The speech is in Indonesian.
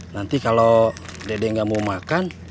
nanti kalau dede nggak mau makan